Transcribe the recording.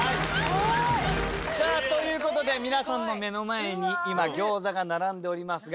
さぁということで皆さんの目の前に今餃子が並んでおりますが。